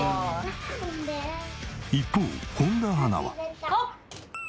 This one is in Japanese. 一方本田アナは。